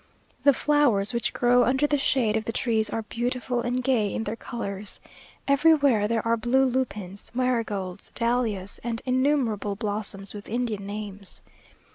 The flowers which grow under the shade of the trees are beautiful and gay in their colours. Everywhere there are blue lupins, marigolds, dahlias, and innumerable blossoms with Indian names.